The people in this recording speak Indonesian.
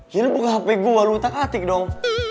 ya lo buka handphone gue lo utak atik dong